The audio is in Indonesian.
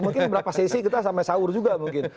mungkin beberapa sesi kita sampe sahur juga mungkin